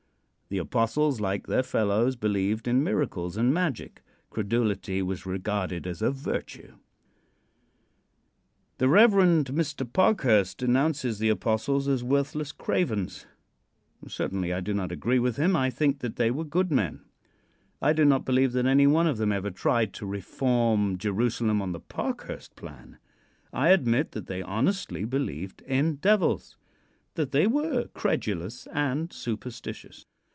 The apostles, like their fellows, believed in miracles and magic. Credulity was regarded as a virtue. The Rev. Mr. Parkhurst denounces the apostles as worthless cravens. Certainly I do not agree with him. I think that they were good men. I do not believe that any one of them ever tried to reform Jerusalem on the Parkhurst plan. I admit that they honestly believed in devils that they were credulous and superstitious.